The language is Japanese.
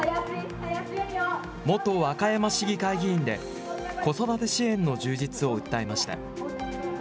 元和歌山市議会議員で、子育て支援の充実を訴えました。